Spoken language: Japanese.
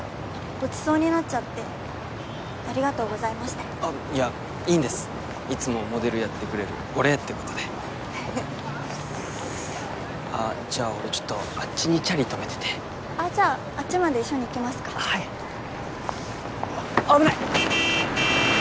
ごちそうになっちゃってありがとうございましたいやいいんですいつもモデルやってくれるお礼ってことでフフあぁじゃあ俺ちょっとあっちにチャリ止めててあっじゃああっちまで一緒に行きますかはい危ない！